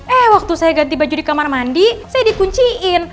eh waktu saya ganti baju di kamar mandi saya dikunciin